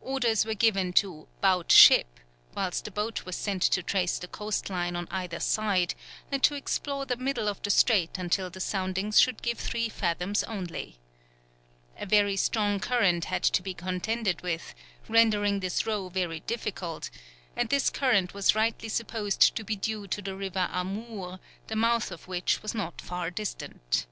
Orders were given to "'bout ship," whilst a boat was sent to trace the coast line on either side, and to explore the middle of the strait until the soundings should give three fathoms only. A very strong current had to be contended with, rendering this row very difficult, and this current was rightly supposed to be due to the River Amoor, the mouth of which was not far distant.